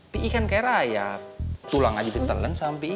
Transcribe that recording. pi kan kayak raya tulang aja ditelen sama pi